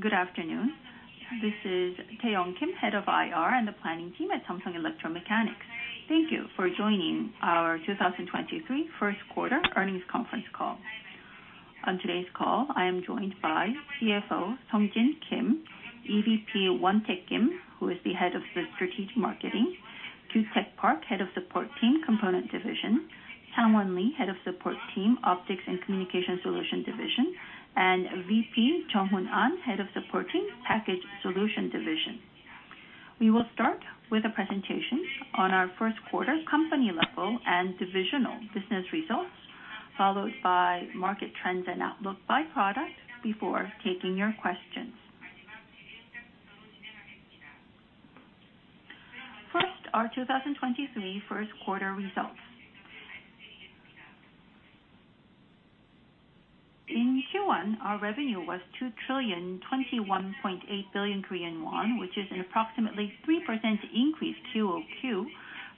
Good afternoon. This is Tai young, Head of IR and Planning Team at Samsung Electro-Mechanics. Thank you for joining our 2023 first quarter earnings conference call. On today's call, I am joined by CFO Sung Jin Kim, EVP Won-taek Kim, who is the Head of the Strategic Marketing Center, Kyutek Park, Head of Support Team, Component Division, Sangwon Lee, Head of Support Team, Optics and Communication Solution Division, and VP Junghoon Ahn, Head of Support Team, Package Solution Division. We will start with a presentation on our first quarter company level and divisional business results, followed by market trends and outlook by product before taking your questions. First, our 2023 first quarter results. In Q1, our revenue was 2,021.8 billion Korean won, which is an approximately 3% increase QoQ,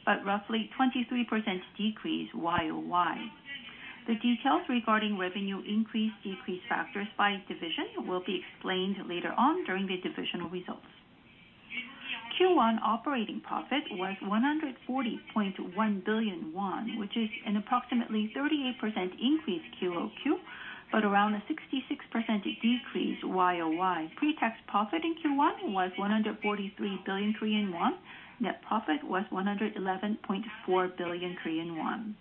but roughly 23% decrease YoY. The details regarding revenue increase/decrease factors by division will be explained later on during the divisional results. Q1 operating profit was 140.1 billion won, which is an approximately 38% increase QoQ, but around a 66% decrease YoY. Pre-tax profit in Q1 was 143 billion Korean won. Net profit was 111.4 billion Korean won.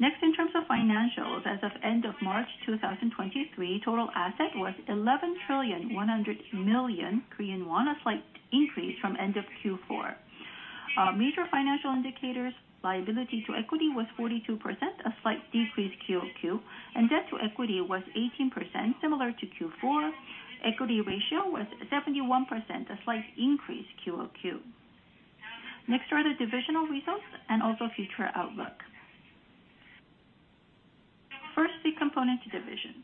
In terms of financials, as of end of March 2023, total asset was 11,000,100 million Korean won, a slight increase from end of Q4. Major financial indicators, liability to equity was 42%, a slight decrease QoQ, and debt to equity was 18%, similar to Q4. Equity ratio was 71%, a slight increase QoQ. Are the divisional results and also future outlook. First, the Component Division.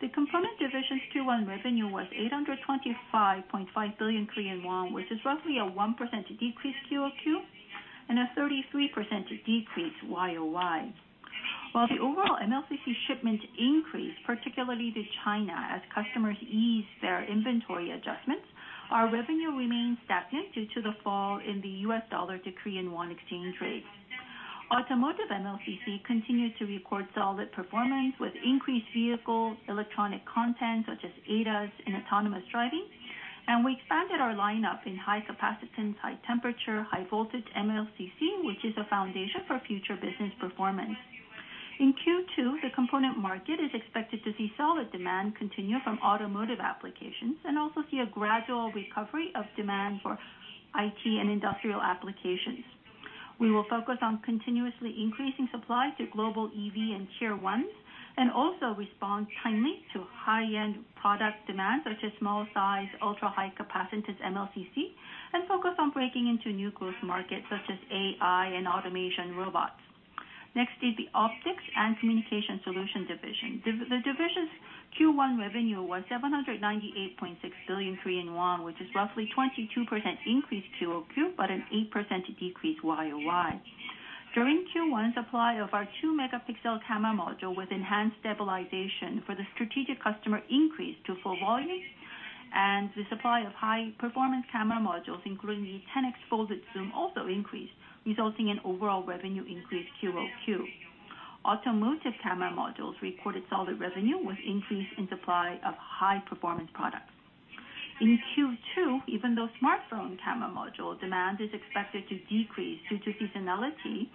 The Component Division Q1 revenue was 825.5 billion Korean won, which is roughly a 1% decrease QoQ and a 33% decrease YoY. While the overall MLCC shipments increased, particularly to China, as customers ease their inventory adjustments, our revenue remains stagnant due to the fall in the U.S. dollar to Korean won exchange rate. Automotive MLCC continued to record solid performance with increased vehicle electronic content such as ADAS and autonomous driving. We expanded our lineup in high capacitance, high temperature, high voltage MLCC, which is a foundation for future business performance. In Q2, the component market is expected to see solid demand continue from automotive applications and also see a gradual recovery of demand for IT and industrial applications. We will focus on continuously increasing supply to global EV and Tier 1s and also respond timely to high-end product demand, such as small size, ultra-high capacitance MLCC, and focus on breaking into new growth markets such as AI and automation robots. Next is the Optics and Communication Solution division. The division's Q1 revenue was 798.6 billion Korean won, which is roughly 22% increase QoQ, but an 8% decrease YoY. During Q1, supply of our 200-megapixel camera module with enhanced stabilization for the strategic customer increased to full volume, and the supply of high-performance camera modules, including the 10x folded zoom, also increased, resulting in overall revenue increase QoQ. Automotive camera modules recorded solid revenue with increase in supply of high-performance products. In Q2, even though smartphone camera module demand is expected to decrease due to seasonality,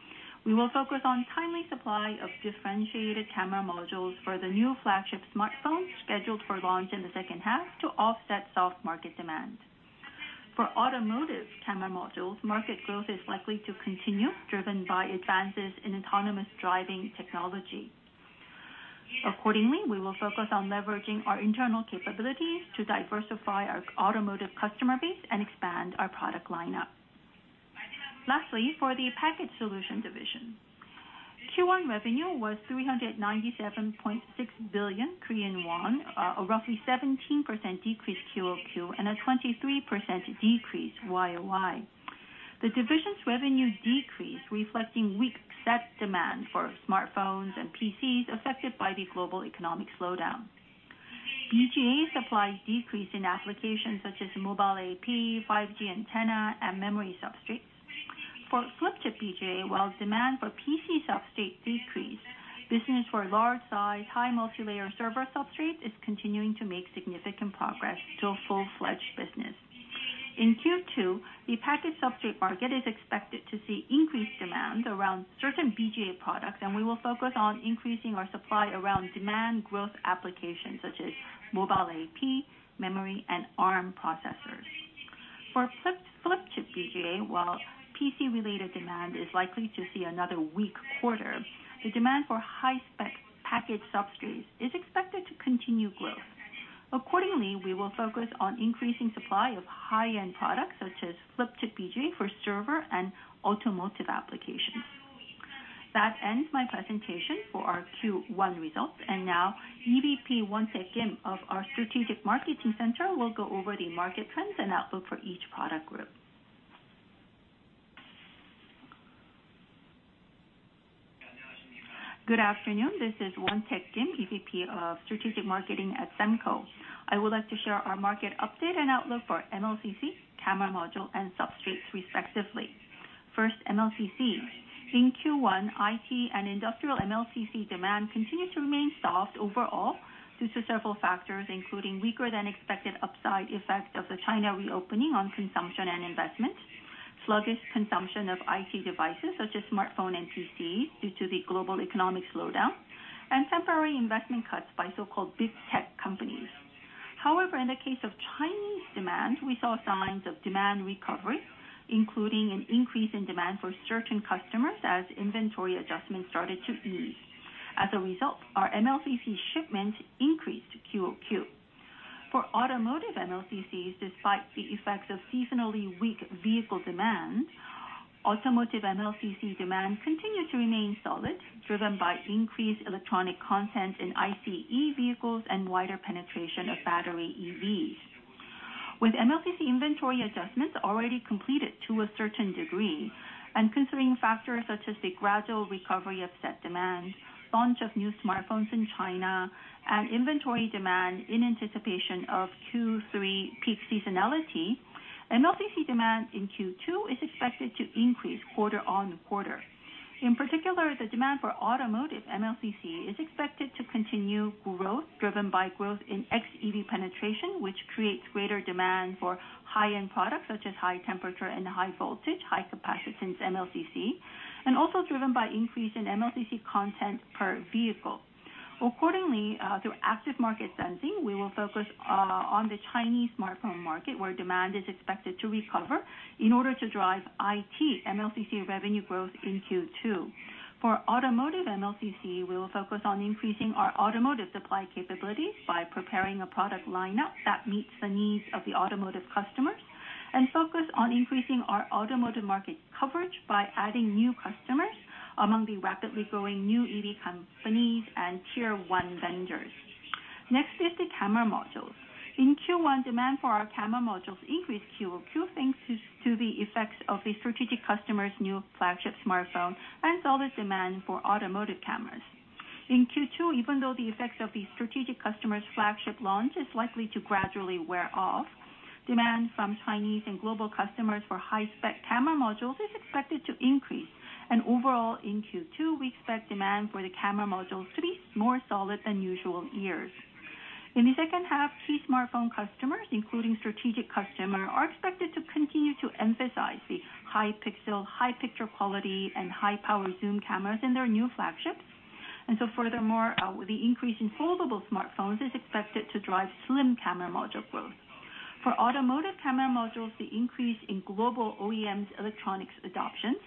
we will focus on timely supply of differentiated camera modules for the new flagship smartphone scheduled for launch in the second half to offset soft market demand. For automotive camera modules, market growth is likely to continue, driven by advances in autonomous driving technology. Accordingly, we will focus on leveraging our internal capabilities to diversify our automotive customer base and expand our product lineup. Lastly, for the Package Solution Division, Q1 revenue was 397.6 billion Korean won, a roughly 17% decrease QoQ and a 23% decrease YoY. The division's revenue decreased, reflecting weak spec demand for smartphones and PCs affected by the global economic slowdown. BGA supplies decreased in applications such as mobile AP, 5G antenna and memory substrates. For flip chip BGA, while demand for PC substrates decreased, business for large size, high multilayer server substrate is continuing to make significant progress to a full-fledged business. In Q2, the package substrate market is expected to see increased demand around certain BGA products, and we will focus on increasing our supply around demand growth applications such as mobile AP, memory, and Arm processors. For flip chip BGA, while PC related demand is likely to see another weak quarter, the demand for high spec package substrates is expected to continue growth. Accordingly, we will focus on increasing supply of high-end products such as flip chip BGA for server and automotive applications. That ends my presentation for our Q1 results, and now EVP Won-taek Kim of our Strategic Marketing Center will go over the market trends and outlook for each product group. Good afternoon, this is Won-taek Kim, EVP of Strategic Marketing at Semco. I would like to share our market update and outlook for MLCC, camera module, and substrates, respectively. First, MLCC. In Q1, IT and industrial MLCC demand continued to remain soft overall due to several factors, including weaker than expected upside effect of the China reopening on consumption and investment, sluggish consumption of IT devices, such as smartphone and PCs due to the global economic slowdown, and temporary investment cuts by so-called big tech companies. However, in the case of Chinese demand, we saw signs of demand recovery, including an increase in demand for certain customers as inventory adjustments started to ease. As a result, our MLCC shipments increased QoQ. For automotive MLCCs, despite the effects of seasonally weak vehicle demand, automotive MLCC demand continued to remain solid, driven by increased electronic content in ICE vehicles and wider penetration of battery EVs. With MLCC inventory adjustments already completed to a certain degree, and considering factors such as the gradual recovery of set demand, launch of new smartphones in China, and inventory demand in anticipation of Q3 peak seasonality, MLCC demand in Q2 is expected to increase quarter-on-quarter. In particular, the demand for automotive MLCC is expected to continue growth, driven by growth in xEV penetration, which creates greater demand for high-end products such as high temperature and high voltage, high capacitance MLCC, and also driven by increase in MLCC content per vehicle. Accordingly, through active market sensing, we will focus on the Chinese smartphone market, where demand is expected to recover in order to drive IT MLCC revenue growth in Q2. For automotive MLCC, we will focus on increasing our automotive supply capabilities by preparing a product lineup that meets the needs of the automotive customers, and focus on increasing our automotive market coverage by adding new customers among the rapidly growing new EV companies and Tier 1 vendors. Next is the camera modules. In Q1, demand for our camera modules increased QoQ, thanks to the effects of a strategic customer's new flagship smartphone and solid demand for automotive cameras. In Q2, even though the effects of the strategic customer's flagship launch is likely to gradually wear off, demand from Chinese and global customers for high spec camera modules is expected to increase. Overall in Q2, we expect demand for the camera modules to be more solid than usual years. In the second half, key smartphone customers, including strategic customer, are expected to continue to emphasize the high pixel, high picture quality, and high power zoom cameras in their new flagships. Furthermore, with the increase in foldable smartphones, it's expected to drive slim camera module growth. For automotive camera modules, the increase in global OEMs electronics adoption,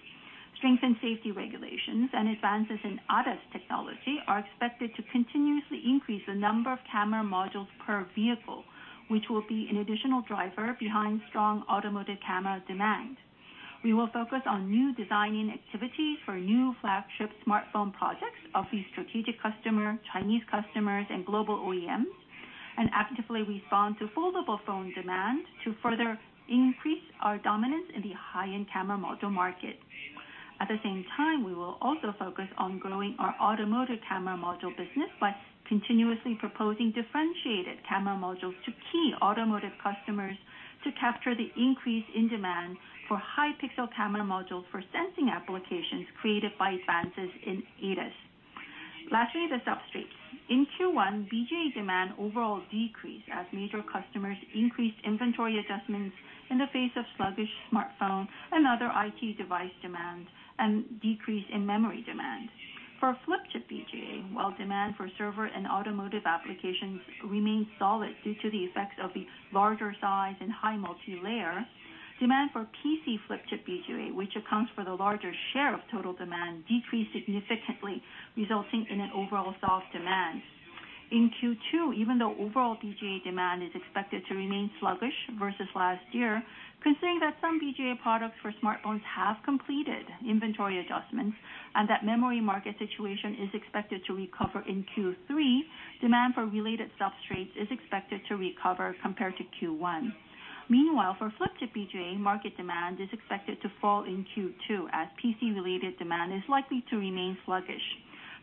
strengthened safety regulations, and advances in ADAS technology are expected to continuously increase the number of camera modules per vehicle, which will be an additional driver behind strong automotive camera demand. We will focus on new designing activities for new flagship smartphone projects of the strategic customer, Chinese customers, and global OEMs, and actively respond to foldable phone demand to further increase our dominance in the high-end camera module market. At the same time, we will also focus on growing our automotive camera module business by continuously proposing differentiated camera modules to key automotive customers to capture the increase in demand for high pixel camera modules for sensing applications created by advances in ADAS. Lastly, the substrates. In Q1, BGA demand overall decreased as major customers increased inventory adjustments in the face of sluggish smartphone and other IT device demand and decrease in memory demand. For flip chip BGA, while demand for server and automotive applications remained solid due to the effects of the larger size and high multilayer, demand for PC flip chip BGA, which accounts for the larger share of total demand, decreased significantly, resulting in an overall soft demand. In Q2, even though overall BGA demand is expected to remain sluggish versus last year, considering that some BGA products for smartphones have completed inventory adjustments and that memory market situation is expected to recover in Q3, demand for related substrates is expected to recover compared to Q1. Meanwhile, for flip chip BGA, market demand is expected to fall in Q2 as PC related demand is likely to remain sluggish.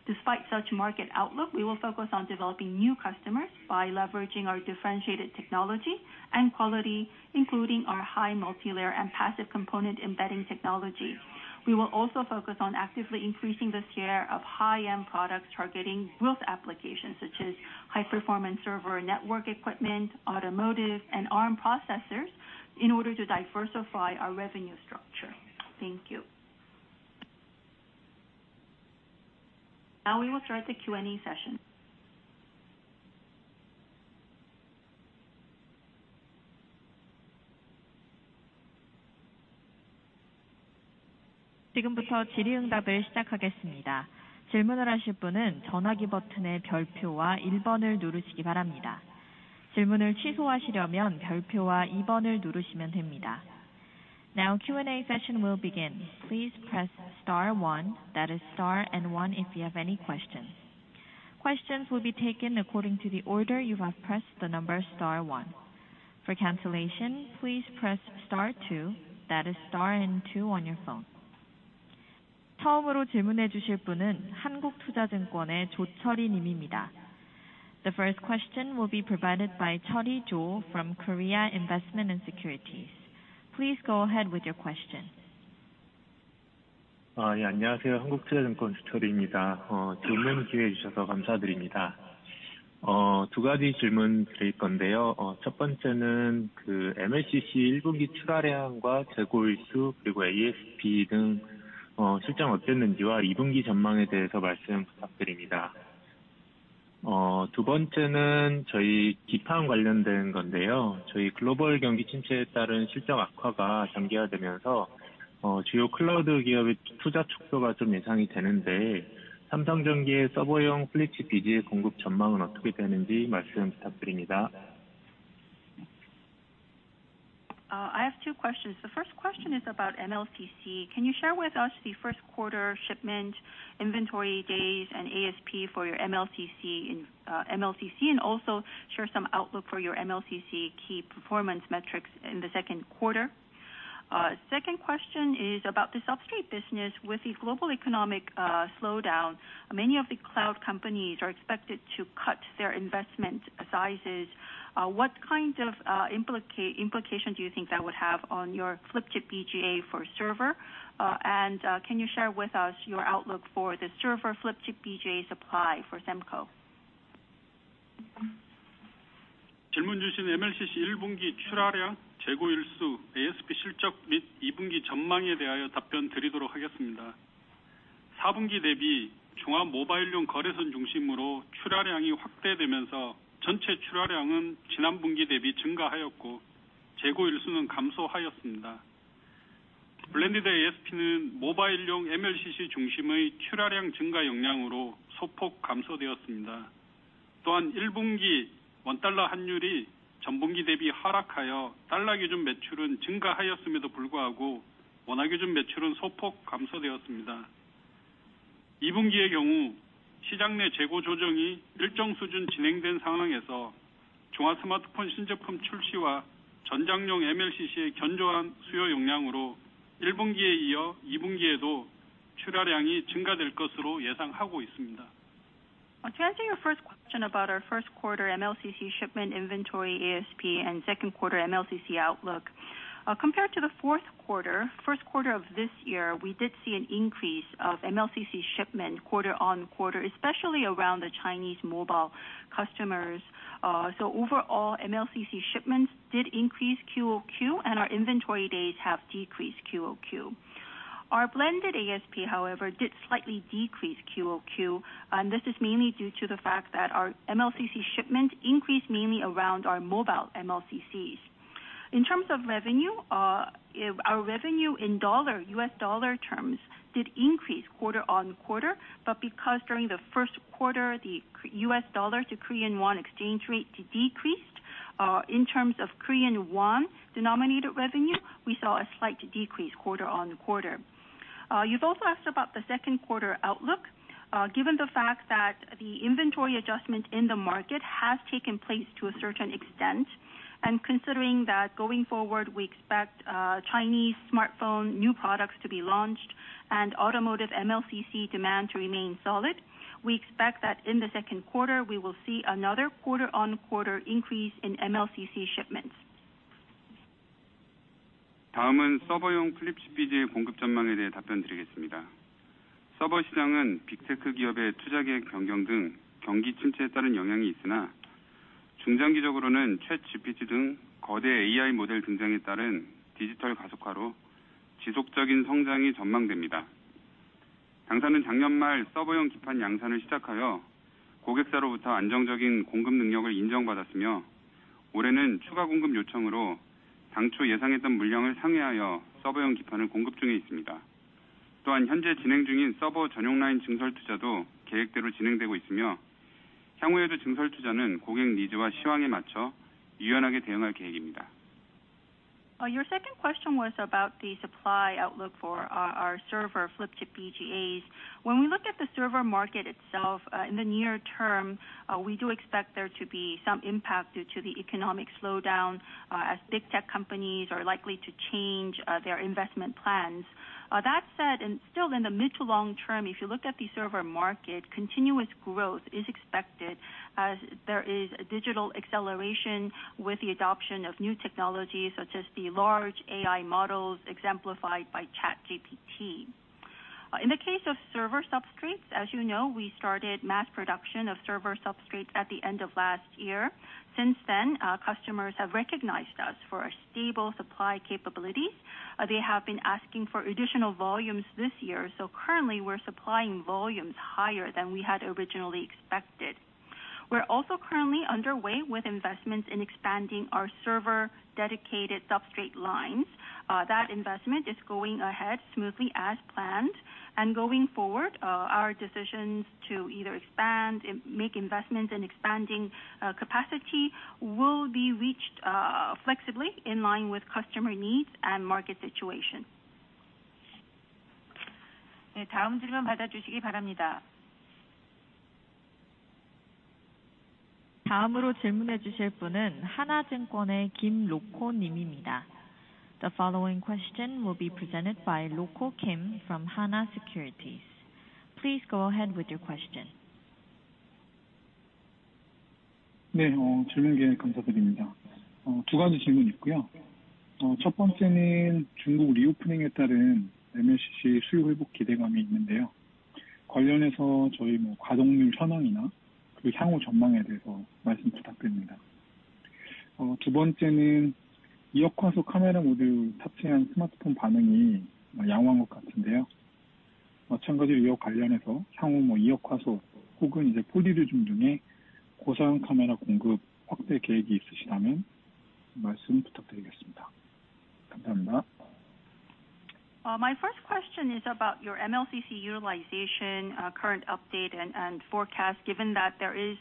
Despite such market outlook, we will focus on developing new customers by leveraging our differentiated technology and quality, including our high multilayer and passive component embedding technology. We will also focus on actively increasing the share of high-end products targeting growth applications such as high-performance server network equipment, automotive, and ARM processors in order to diversify our revenue structure. Thank you. Now we will start the Q&A session. Now Q&A session will begin. Please press star 1. That is star and one if you have any questions. Questions will be taken according to the order you have pressed the number star one. For cancellation, please press star two. That is star and two on your phone. The first question will be provided by Chari Jo from Korea Investment & Securities. Please go ahead with your question. I have two questions. The first question is about MLCC. Can you share with us the first quarter shipment, inventory days and ASP for your MLCC, and also share some outlook for your MLCC key performance metrics in the second quarter? Second question is about the substrate business. With the global economic slowdown, many of the cloud companies are expected to cut their investment sizes. What kind of implication do you think that would have on your flip chip BGA for server? Can you share with us your outlook for the server flip chip BGA supply for Semco? To answer your first question about our first quarter MLCC shipment inventory ASP and second quarter MLCC outlook. Compared to the fourth quarter, first quarter of this year, we did see an increase of MLCC shipment quarter-on-quarter, especially around the Chinese mobile customers. Overall MLCC shipments did increase QoQ and our inventory days have decreased QoQ. Our blended ASP however, did slightly decrease QoQ. This is mainly due to the fact that our MLCC shipment increased mainly around our mobile MLCCs. In terms of revenue, if our revenue in dollar, U.S. dollar terms did increase quarter-on-quarter, because during the first quarter, the U.S. dollar to Korean won exchange rate decreased, in terms of Korean won denominated revenue, we saw a slight decrease quarter-on-quarter. You've also asked about the second quarter outlook. Given the fact that the inventory adjustment in the market has taken place to a certain extent, and considering that going forward, we expect Chinese smartphone new products to be launched and automotive MLCC demand to remain solid. We expect that in the second quarter we will see another quarter-on-quarter increase in MLCC shipments. Your second question was about the supply outlook for our server flip chip BGAs. When we look at the server market itself, in the near term, we do expect there to be some impact due to the economic slowdown, as big tech companies are likely to change their investment plans. That said, still in the mid to long term, if you look at the server market, continuous growth is expected as there is a digital acceleration with the adoption of new technologies such as the large AI models exemplified by ChatGPT. In the case of server substrates, as you know, we started mass production of server substrates at the end of last year. Since then, customers have recognized us for our stable supply capabilities. They have been asking for additional volumes this year, so currently we're supplying volumes higher than we had originally expected. We're also currently underway with investments in expanding our server dedicated substrate lines. That investment is going ahead smoothly as planned. Going forward, our decisions to either expand, make investments in expanding capacity will be reached flexibly in line with customer needs and market situation. 네, 다음 질문 받아주시기 바랍니다. 다음으로 질문해 주실 분은 하나증권의 김로코 님입니다. The following question will be presented by Roko Kim from Hana Securities. Please go ahead with your question. 질문 기회 감사드립니다. 두 가지 질문이 있고요. 첫 번째는 중국 리오프닝에 따른 MLCC 수요 회복 기대감이 있는데요. 관련해서 저희 뭐 가동률 현황이나 그리고 향후 전망에 대해서 말씀 부탁드립니다. 두 번째는 2억 화소 카메라 모듈 탑재한 스마트폰 반응이 양호한 것 같은데요. 이와 관련해서 향후 뭐 2억 화소 혹은 이제 folded zoom 등의 고사양 카메라 공급 확대 계획이 있으시다면 말씀 부탁드리겠습니다. 감사합니다. My first question is about your MLCC utilization, current update and forecast given that there is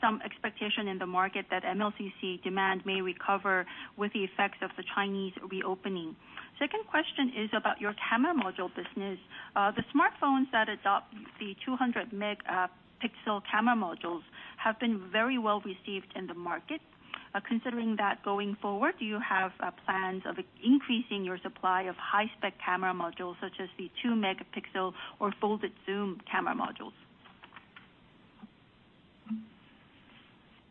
some expectation in the market that MLCC demand may recover with the effects of the Chinese reopening. Second question is about your camera module business. The smartphones that adopt the 200-megapixel camera modules have been very well received in the market. Considering that going forward, do you have plans of increasing your supply of high spec camera modules such as the 2-megapixel or folded zoom camera modules?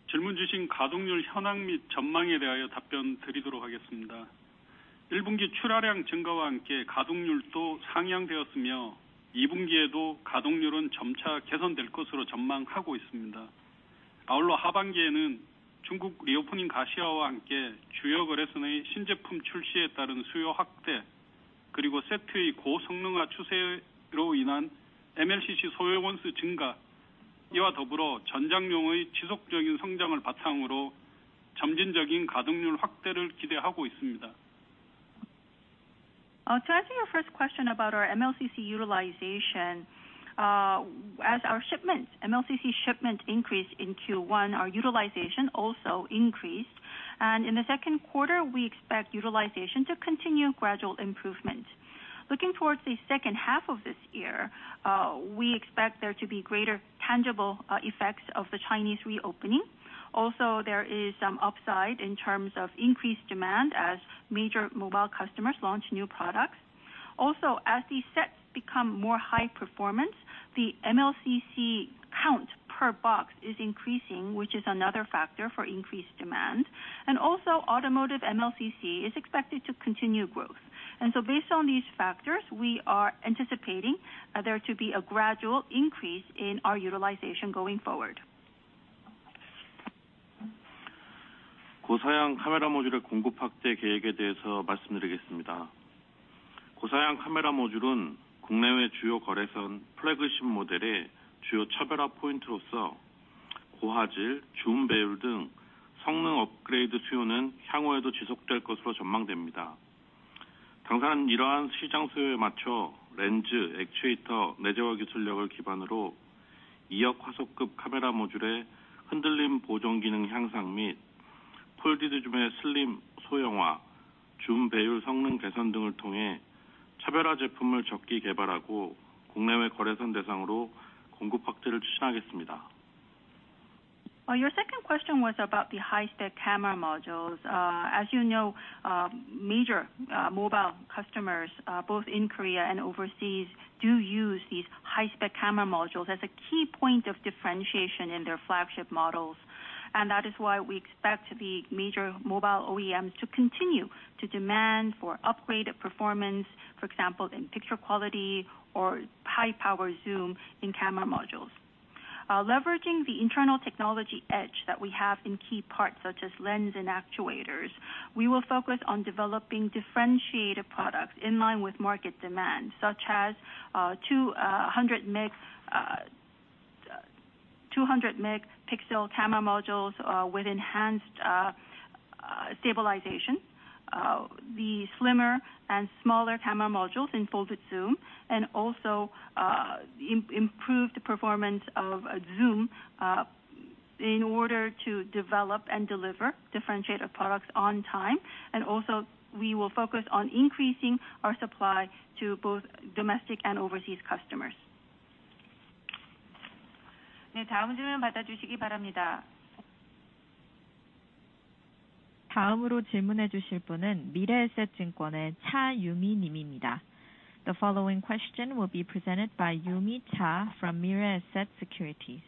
질문 주신 가동률 현황 및 전망에 대하여 답변드리도록 하겠습니다. 1Q 출하량 증가와 함께 가동률도 상향되었으며, 2Q에도 가동률은 점차 개선될 것으로 전망하고 있습니다. 하반기에는 중국 리오프닝 가시화와 함께 주요 거래선의 신제품 출시에 따른 수요 확대 그리고 세트의 고성능화 추세로 인한 MLCC 소요 원수 증가, 이와 더불어 전장용의 지속적인 성장을 바탕으로 점진적인 가동률 확대를 기대하고 있습니다. To answer your first question about our MLCC utilization, as our shipments, MLCC shipment increased in Q1, our utilization also increased. In the second quarter, we expect utilization to continue gradual improvement. Looking towards the second half of this year, we expect there to be greater tangible effects of the Chinese reopening. Also, there is some upside in terms of increased demand as major mobile customers launch new products. Also, as the sets become more high performance, the MLCC count per box is increasing, which is another factor for increased demand. Automotive MLCC is expected to continue growth. Based on these factors, we are anticipating there to be a gradual increase in our utilization going forward. 고사양 카메라 모듈의 공급 확대 계획에 대해서 말씀드리겠습니다. 고사양 카메라 모듈은 국내외 주요 거래선 플래그십 모델의 주요 차별화 포인트로서 고화질, 줌 배율 등 성능 업그레이드 수요는 향후에도 지속될 것으로 전망됩니다. 당사는 이러한 시장 수요에 맞춰 렌즈, 액추에이터 내재화 기술력을 기반으로 2억 화소급 카메라 모듈의 흔들림 보정 기능 향상 및 폴디드 줌의 슬림 소형화, 줌 배율 성능 개선 등을 통해 차별화 제품을 적기 개발하고 국내외 거래선 대상으로 공급 확대를 추진하겠습니다. Your second question was about the high-spec camera modules. As you know, major mobile customers, both in Korea and overseas do use these high-spec camera modules as a key point of differentiation in their flagship models. That is why we expect the major mobile OEMs to continue to demand for upgraded performance. For example, in picture quality or high-power zoom in camera modules. Leveraging the internal technology edge that we have in key parts such as lens and actuators, we will focus on developing differentiated products in line with market demand, such as 200-megapixel camera modules with enhanced stabilization, the slimmer and smaller camera modules in folded zoom, and also improved performance of zoom in order to develop and deliver differentiated products on time. Also we will focus on increasing our supply to both domestic and overseas customers. 네, 다음 질문 받아주시기 바랍니다. 다음으로 질문해 주실 분은 Mirae Asset Securities의 Yumi Cha 님입니다. The following question will be presented by Yumi Cha from Mirae Asset Securities.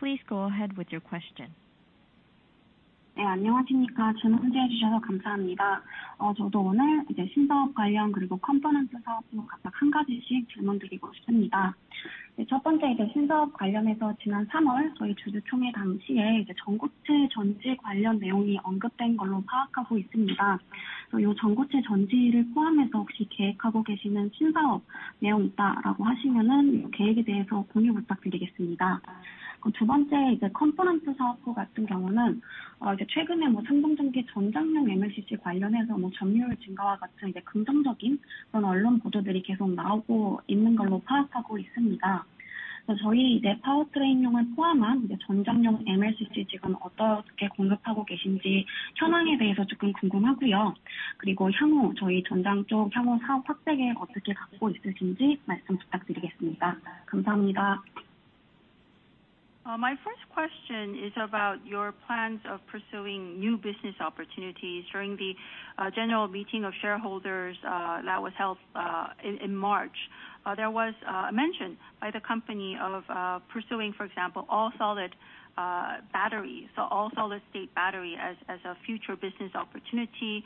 Please go ahead with your question. 네, 안녕하십니까? 질문해 주셔서 감사합니다. 저도 오늘 이제 신사업 관련 그리고 컴포넌트 사업부 각각 한 가지씩 질문드리고 싶습니다. 첫 번째 이제 신사업 관련해서 지난 삼월 저희 주주총회 당시에 이제 전고체 전지 관련 내용이 언급된 걸로 파악하고 있습니다. 요 전고체 전지를 포함해서 혹시 계획하고 계시는 신사업 내용이 있다라고 하시면은 요 계획에 대해서 공유 부탁드리겠습니다. 두 번째 이제 컴포넌트 사업부 같은 경우는 이제 최근에 뭐 삼성전기 전장용 MLCC 관련해서 뭐 점유율 증가와 같은 이제 긍정적인 그런 언론 보도들이 계속 나오고 있는 걸로 파악하고 있습니다. My first question is about your plans of pursuing new business opportunities during the general meeting of shareholders that was held in March. There was mention by the company of pursuing, for example, all-solid-state batteries. All-solid-state battery as a future business opportunity,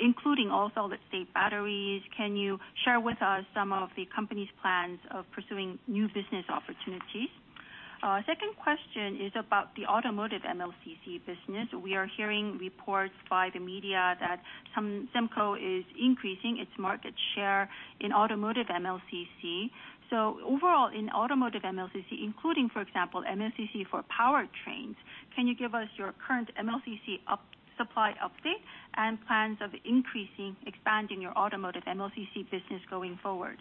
including all-solid-state batteries. Can you share with us some of the company's plans of pursuing new business opportunities? Second question is about the automotive MLCC business. We are hearing reports by the media that Semco is increasing its market share in automotive MLCC. Overall in automotive MLCC including, for example, MLCC for powertrains, can you give us your current MLCC supply update and plans of increasing, expanding your automotive MLCC business going forward?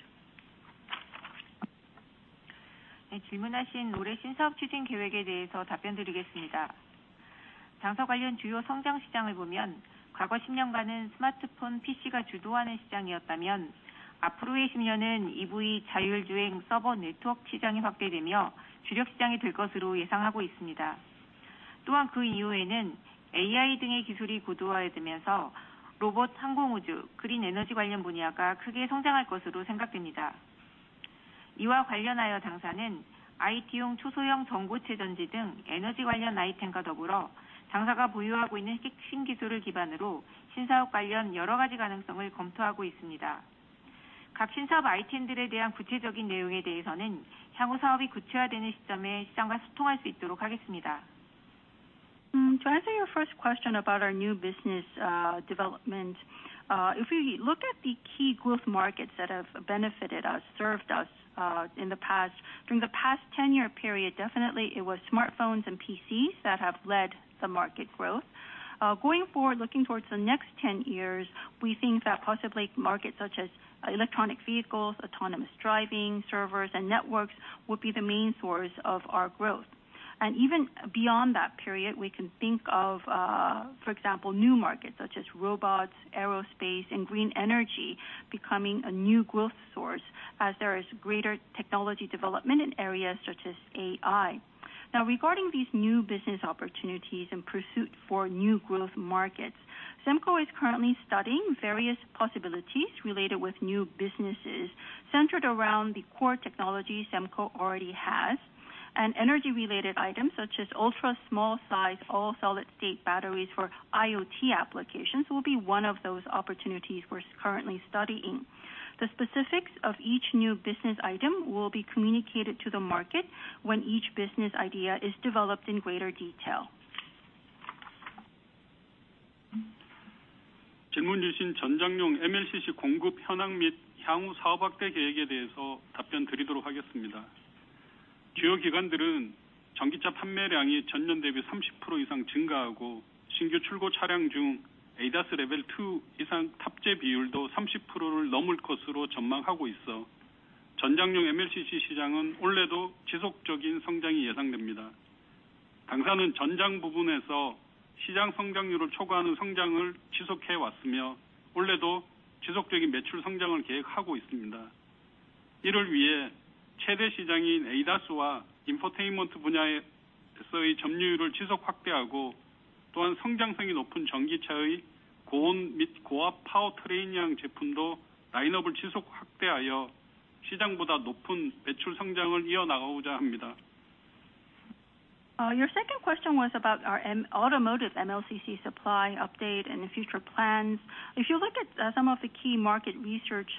Your second question was about our automotive MLCC supply update and future plans. If you look at some of the key market research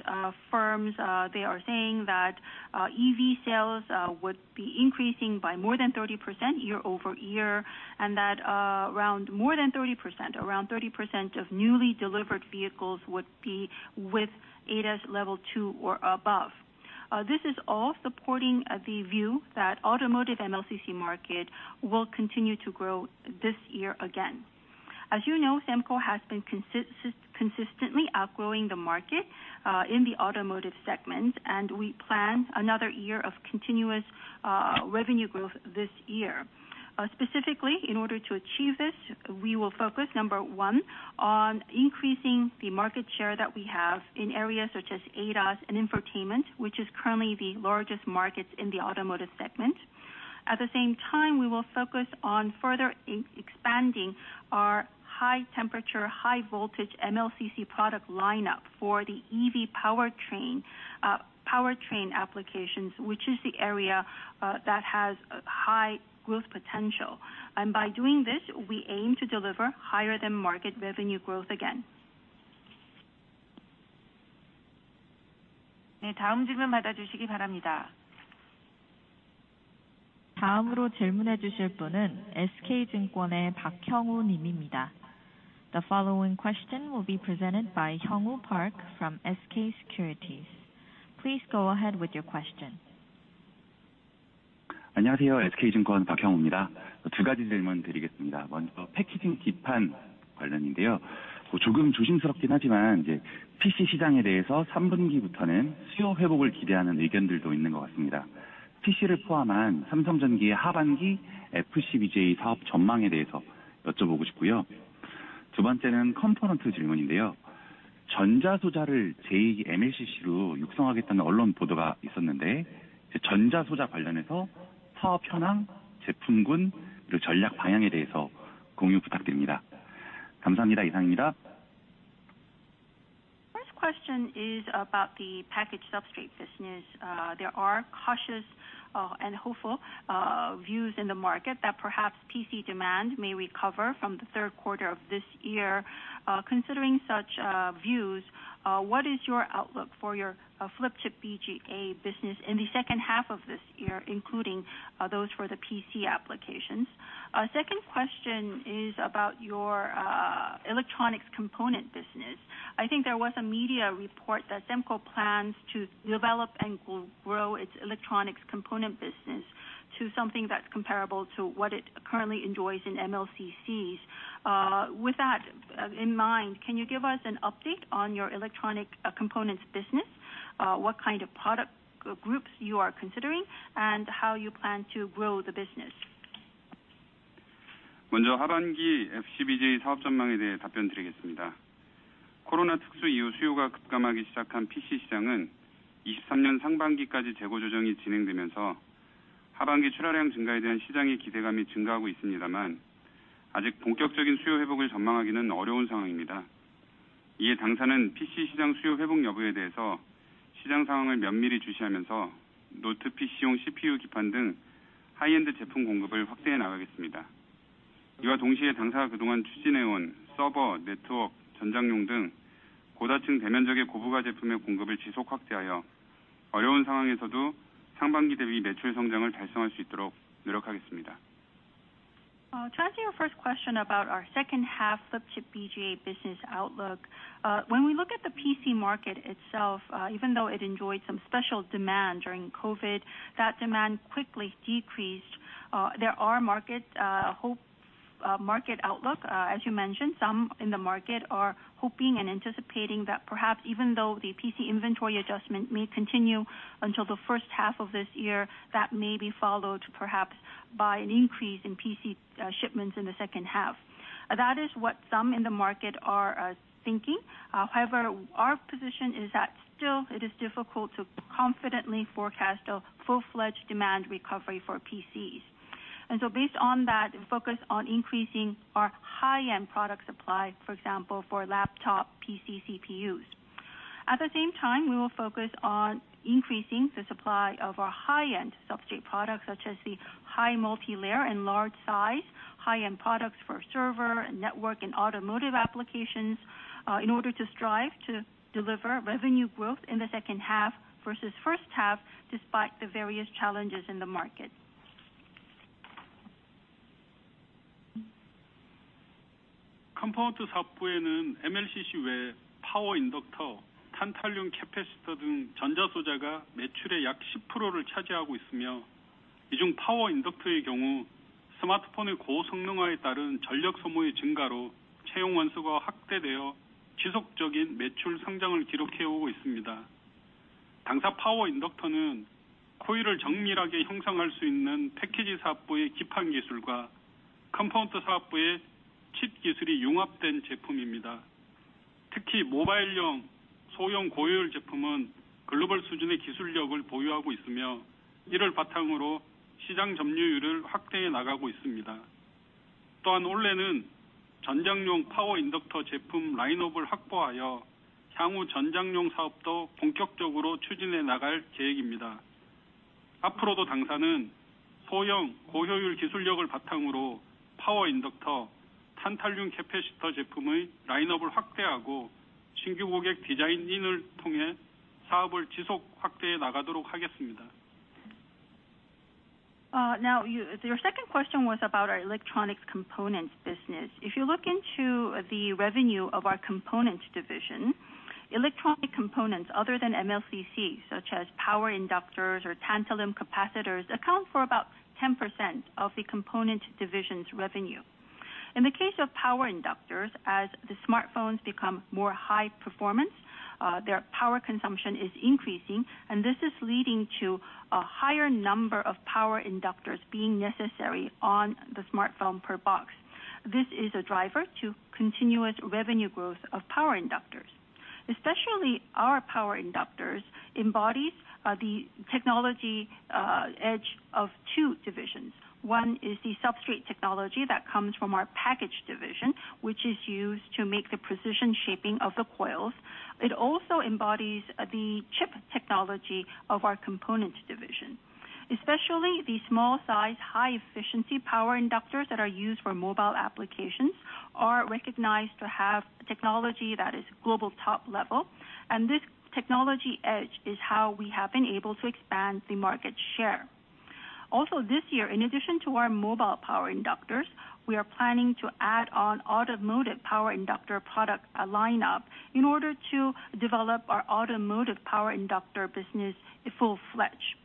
firms, they are saying that EV sales would be increasing by more than 30% year-over-year, and that around more than 30%, around 30% of newly delivered vehicles would be with ADAS level 2 or above. This is all supporting the view that automotive MLCC market will continue to grow this year again. As you know, Semco has been consistently outgrowing the market in the automotive segment, and we plan another year of continuous revenue growth this year. Specifically in order to achieve this, we will focus, number one on increasing the market share that we have in areas such as ADAS and infotainment, which is currently the largest markets in the automotive segment. At the same time, we will focus on further e-expanding our high temperature, high voltage MLCC product lineup for the EV powertrain applications, which is the area that has high growth potential. By doing this, we aim to deliver higher than market revenue growth again. The following question will be presented by Hyungwoo Park from SK Securities. Please go ahead with your question. 안녕하세요. SK 증권 박향우입니다. 두 가지 질문드리겠습니다. 먼저 패키징 기판 관련인데요. 조금 조심스럽긴 하지만 이제 PC 시장에 대해서 삼 분기부터는 수요 회복을 기대하는 의견들도 있는 것 같습니다. PC를 포함한 삼성전기의 하반기 FCBGA 사업 전망에 대해서 여쭤보고 싶고요. 두 번째는 컴포넌트 질문인데요. 전자소자를 제2 MLCC로 육성하겠다는 언론 보도가 있었는데, 전자소자 관련해서 사업 현황, 제품군 그리고 전략 방향에 대해서 공유 부탁드립니다. 감사합니다. 이상입니다. First question is about the package substrate business. There are cautious and hopeful views in the market that perhaps PC demand may recover from the third quarter of this year. Considering such views, what is your outlook for your flip chip BGA business in the second half of this year, including those for the PC applications? Second question is about your electronics component business. I think there was a media report that Semco plans to develop and grow its electronics component business to something that's comparable to what it currently enjoys in MLCCs. With that in mind, can you give us an update on your electronic components business? What kind of product groups you are considering and how you plan to grow the business? 하반기 FCBGA 사업 전망에 대해 답변드리겠습니다. 코로나 특수 이후 수요가 급감하기 시작한 PC 시장은 2023년 상반기까지 재고 조정이 진행되면서 하반기 출하량 증가에 대한 시장의 기대감이 증가하고 있습니다만 아직 본격적인 수요 회복을 전망하기는 어려운 상황입니다. 당사는 PC 시장 수요 회복 여부에 대해서 시장 상황을 면밀히 주시하면서 노트북 PC용 CPU 기판 등 하이엔드 제품 공급을 확대해 나가겠습니다. 당사가 그동안 추진해 온 서버, 네트워크, 전장용 등 고다층 대면적의 고부가 제품의 공급을 지속 확대하여 어려운 상황에서도 상반기 대비 매출 성장을 달성할 수 있도록 노력하겠습니다. To answer your first question about our second half FCBGA business outlook. When we look at the PC market itself, even though it enjoyed some special demand during COVID, that demand quickly decreased. There are market hope, market outlook, as you mentioned, some in the market are hoping and anticipating that perhaps even though the PC inventory adjustment may continue until the first half of this year, that may be followed perhaps by an increase in PC shipments in the second half. That is what some in the market are thinking. However, our position is that still it is difficult to confidently forecast a full-fledged demand recovery for PCs. Based on that focus on increasing our high-end product supply, for example, for laptop PC CPUs. At the same time, we will focus on increasing the supply of our high-end substrate products, such as the high multilayer and large size high-end products for server and network and automotive applications, in order to strive to deliver revenue growth in the second half versus first half, despite the various challenges in the market. 컴포넌트 사업부에는 MLCC 외에 파워 인덕터, 탄탈륨 캐패시터 등 전자소자가 매출의 약십 프로를 차지하고 있으며, 이중 파워 인덕터의 경우 스마트폰의 고성능화에 따른 전력 소모의 증가로 채용 원수가 확대되어 지속적인 매출 성장을 기록해 오고 있습니다. 당사 파워 인덕터는 코일을 정밀하게 형성할 수 있는 패키지 사업부의 기판 기술과 컴포넌트 사업부의 칩 기술이 융합된 제품입니다. 특히 모바일용 소형 고효율 제품은 글로벌 수준의 기술력을 보유하고 있으며, 이를 바탕으로 시장 점유율을 확대해 나가고 있습니다. 또한 올해는 전장용 파워 인덕터 제품 라인업을 확보하여 향후 전장용 사업도 본격적으로 추진해 나갈 계획입니다. 앞으로도 당사는 소형 고효율 기술력을 바탕으로 파워 인덕터, 탄탈륨 캐패시터 제품의 라인업을 확대하고 신규 고객 디자인인을 통해 사업을 지속 확대해 나가도록 하겠습니다. Now, your second question was about our electronics components business. If you look into the revenue of our Component Division, electronic components other than MLCC, such as power inductors or tantalum capacitors, account for about 10% of the Component Division's revenue. In the case of power inductors, as the smartphones become more high performance, their power consumption is increasing, and this is leading to a higher number of power inductors being necessary on the smartphone per box. This is a driver to continuous revenue growth of power inductors. Especially our power inductors embodies the technology edge of two divisions. One is the substrate technology that comes from our Package Division, which is used to make the precision shaping of the coils. It also embodies the chip technology of our Component Division. Especially the small size, high efficiency power inductors that are used for mobile applications are recognized to have technology that is global top level. This technology edge is how we have been able to expand the market share. Also this year, in addition to our mobile power inductors, we are planning to add on automotive power inductor product lineup in order to develop our automotive power inductor business full-fledged.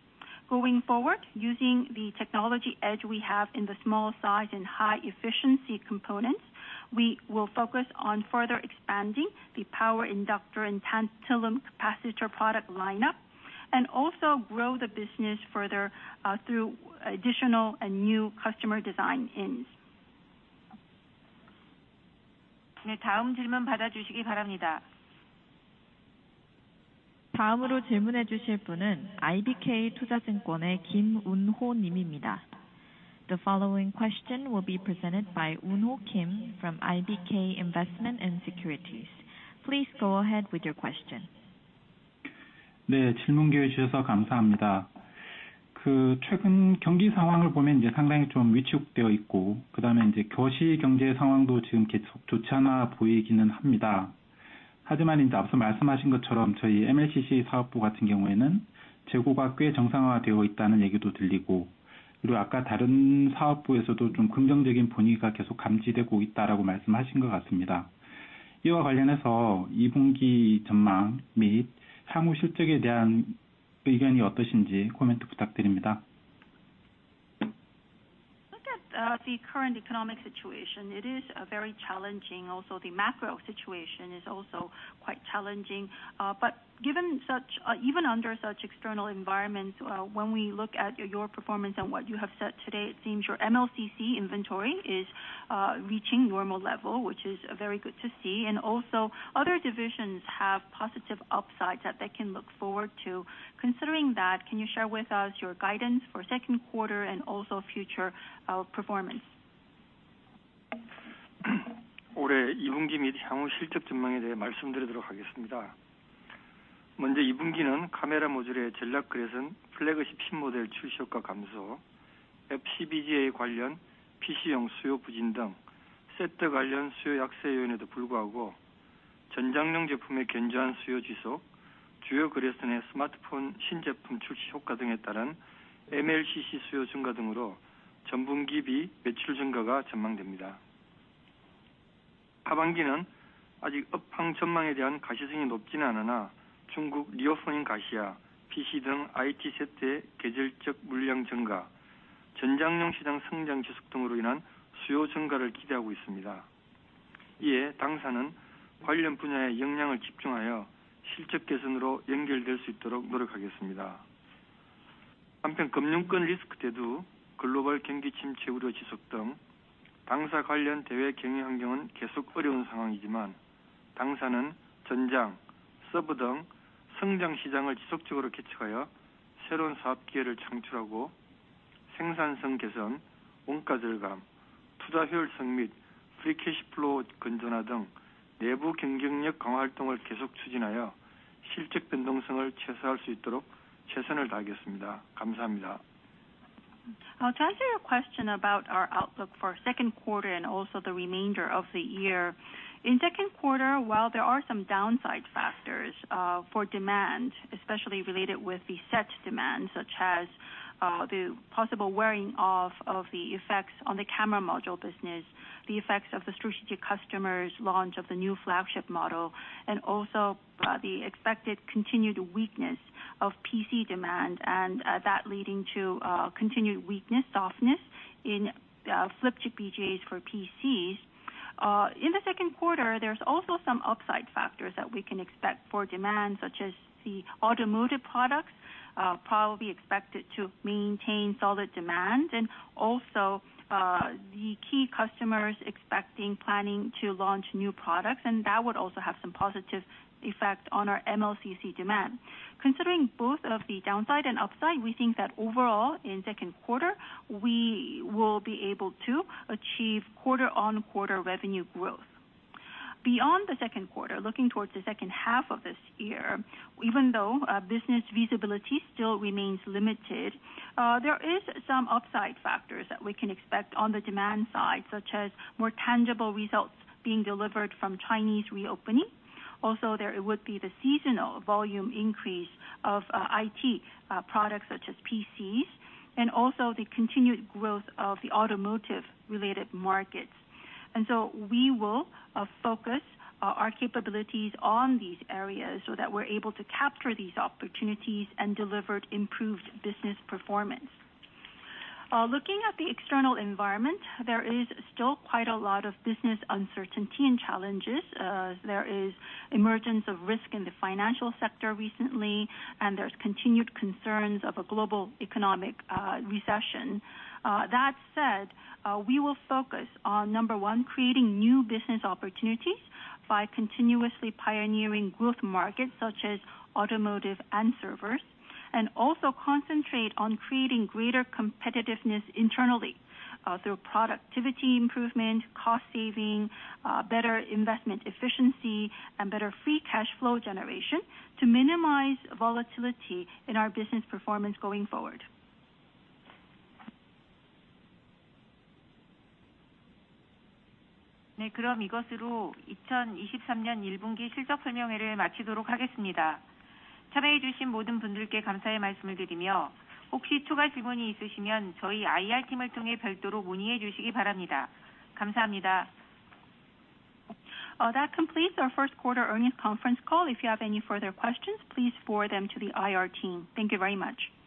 Going forward, using the technology edge we have in the small size and high efficiency components, we will focus on further expanding the power inductor and tantalum capacitor product lineup and also grow the business further through additional and new customer design-ins. The following question will be presented by Woon-ho Kim from IBK Securities. Please go ahead with your question. Look at the current economic situation. It is very challenging. Also, the macro situation is also quite challenging. Given such, even under such external environments, when we look at your performance and what you have said today, it seems your MLCC inventory is reaching normal level, which is very good to see. Other divisions have positive upsides that they can look forward to. Considering that, can you share with us your guidance for second quarter and also future performance? To answer your question about our outlook for second quarter and also the remainder of the year. In second quarter, while there are some downside factors for demand, especially related with the set demand, such as the possible wearing off of the effects on the camera module business, the effects of the strategic customers launch of the new flagship model, and also the expected continued weakness of PC demand and that leading to continued weakness, softness in flip chip BGAs for PCs. In the second quarter, there's also some upside factors that we can expect for demand, such as the automotive products, probably expected to maintain solid demand. Also, the key customers expecting planning to launch new products, and that would also have some positive effect on our MLCC demand. Considering both of the downside and upside, we think that overall in second quarter we will be able to achieve quarter-on-quarter revenue growth. Beyond the second quarter, looking towards the second half of this year, even though business visibility still remains limited, there is some upside factors that we can expect on the demand side, such as more tangible results being delivered from Chinese reopening. Also there would be the seasonal volume increase of IT products such as PCs, and also the continued growth of the automotive related markets. We will focus our capabilities on these areas so that we're able to capture these opportunities and deliver improved business performance. Looking at the external environment, there is still quite a lot of business uncertainty and challenges. There is emergence of risk in the financial sector recently, and there's continued concerns of a global economic recession. That said, we will focus on, number one, creating new business opportunities by continuously pioneering growth markets such as automotive and servers, and also concentrate on creating greater competitiveness internally, through productivity improvement, cost saving, better investment efficiency and better free cash flow generation to minimize volatility in our business performance going forward. That completes our first quarter earnings conference call. If you have any further questions, please forward them to the IR team. Thank you very much.